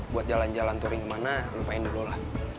buat jalan jalan touring kemana lupain dulu lah